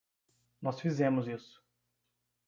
Nós fizemos isso.